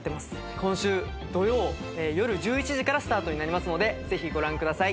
今週土曜よる１１時からスタートになりますのでぜひご覧ください。